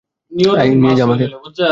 আয় নিয়ে যা আমাকে।